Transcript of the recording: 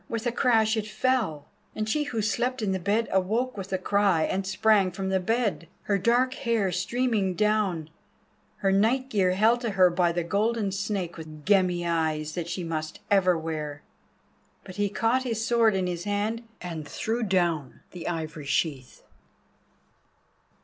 With a crash it fell, and she who slept in the bed awoke with a cry, and sprang from the bed, her dark hair streaming down, her night gear held to her by the golden snake with gemmy eyes that she must ever wear. But he caught his sword in his hand, and threw down the ivory sheath.